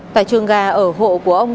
tại trường gà ở hộ của ông